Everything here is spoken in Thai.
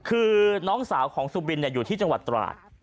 คือน้องสาวของสุบินอยู่ที่จังหวัดตราด